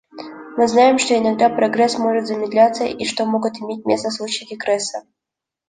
Мы знаем, что иногда прогресс может замедляться и что могут иметь место случаи регресса.